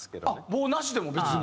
棒なしでも別に？